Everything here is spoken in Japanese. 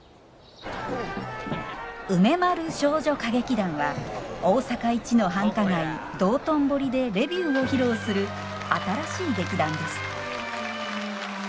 梅丸少女歌劇団は大阪一の繁華街道頓堀でレビューを披露する新しい劇団です